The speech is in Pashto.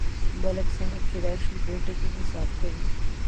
ملک صاحب چې راشي، د ټکي حساب کوي.